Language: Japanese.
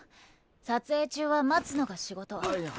撮影中は待つのが仕事。